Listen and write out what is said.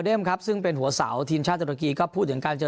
ครับซึ่งเป็นหัวเสาทีมชาติตุรกีก็พูดถึงการเจอ